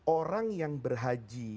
orang yang berhaji